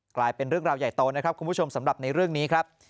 กลายเป็นเรื่องราวใหญ่โตนะครับคุณผู้ชมสำหรับในเรื่องนี้ครับ